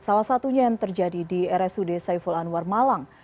salah satunya yang terjadi di rsud saiful anwar malang